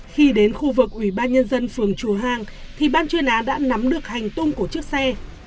khi đến khu vực ủy ban nhân dân phường chùa hàng thì ban chuyên án đã nắm được hành tung của chiếc xe